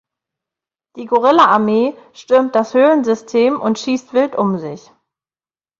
Die Gorilla-Armee stürmt das Höhlensystem und schießt wild um sich.